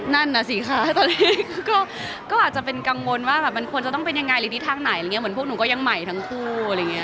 นั่นน่ะสิคะตอนนี้ก็อาจจะเป็นกังวลว่าแบบมันควรจะต้องเป็นยังไงหรือทิศทางไหนอะไรอย่างนี้เหมือนพวกหนูก็ยังใหม่ทั้งคู่อะไรอย่างเงี้